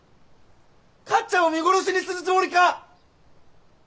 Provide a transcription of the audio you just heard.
勝ちゃんを見殺しにするつもりか！？